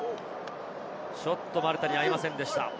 ちょっとマルタに合いませんでした。